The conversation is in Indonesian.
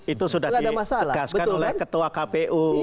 itu sudah ditegaskan oleh ketua kpu